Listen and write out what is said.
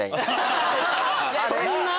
そんな？